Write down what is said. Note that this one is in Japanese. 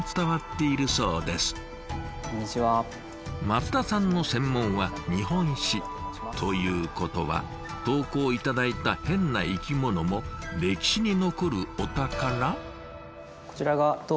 松田さんの専門は日本史。ということは投稿頂いたヘンな生きものも歴史に残るお宝？